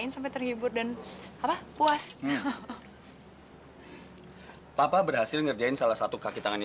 sampai jumpa di video selanjutnya